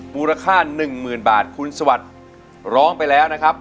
มูลค่าหนึ่งหมื่นบาทคุณสวัสดิ์ร้องไปแล้วนะครับ